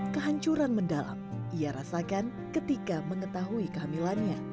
kehancuran mendalam ia rasakan ketika mengetahui kehamilannya